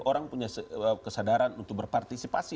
orang punya kesadaran untuk berpartisipasi